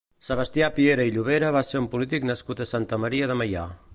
Sebastià Piera i Llobera va ser un polític nascut a Santa Maria de Meià.